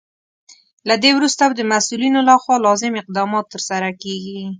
له دې وروسته به د مسولینو لخوا لازم اقدامات ترسره کیږي.